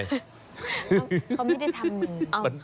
เขาไม่ได้ทำมือ